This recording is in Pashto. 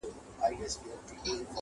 نه مي علم نه هنر په درد لګېږي،